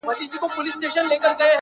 o مخامخ وتراشل سوي بت ته ناست دی.